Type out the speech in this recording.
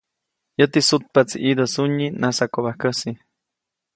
Yäti sutpaʼtsi ʼidä sunyi najsakobajkäsi.